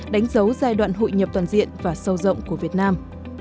đánh dấu giai đoạn hội nhập toàn diện và sâu rộng của việt nam